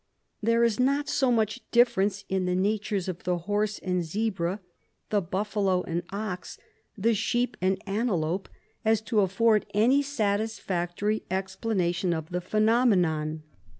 There is not so much difference in the natures of the horse and zebra, the buffalo and ox, the sheep and antelope, as to afford any satisfactory explanation of the phenomenon.